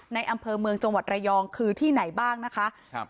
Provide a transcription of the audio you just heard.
อำเภอเมืองจังหวัดระยองคือที่ไหนบ้างนะคะครับ